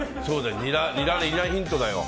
ニラのヒントだよ。